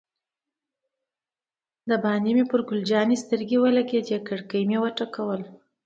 دباندې مې پر ګل جانې سترګې ولګېدې، کړکۍ مې و ټکول.